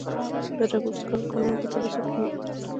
د ډبرو سکرو کانونه په دره صوف کې موقعیت لري.